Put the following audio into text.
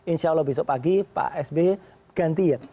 insya allah besok pagi pak sby ganti ya